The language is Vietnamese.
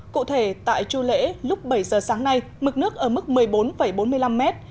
cụ thể tại chu lễ lúc bảy giờ sáng nay mực nước ở mức một mươi bốn bốn mươi năm mét